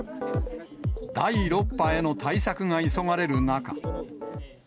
第６波への対策が急がれる中。